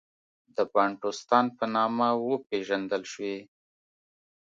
د بانټوستان په نامه وپېژندل شوې.